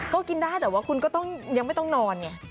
ก็กินได้แต่คุณก็ยังไม่ต้องนอน